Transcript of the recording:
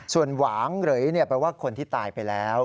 ส่วนหวางเหลยแปลว่าคนที่ตายไปแล้ว